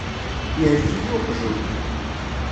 Yehlek-iyi uqjun.